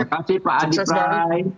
terima kasih pak adi prai